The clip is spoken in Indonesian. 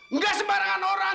enggak sembarangan orang